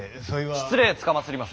失礼つかまつります。